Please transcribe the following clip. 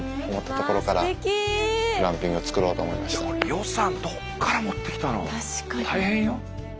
予算どこから持ってきたの？大変よ。